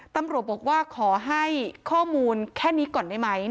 ตำรวจบอกว่าขอให้ข้อมูลแค่นี้ก่อนได้ไหม